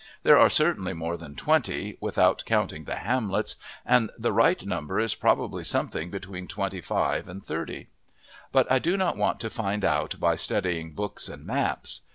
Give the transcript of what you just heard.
There are certainly more then twenty, without counting the hamlets, and the right number is probably something between twenty five and thirty, but I do not want to find out by studying books and maps.